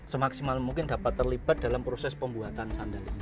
semaksimal mungkin dapat terlibat dalam proses pembuatan sandalnya